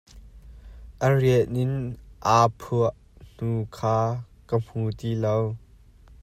A rian in aa phuah hnu kha ka hmu ti lo.